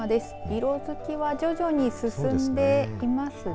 色づきは徐々に進んでいますね。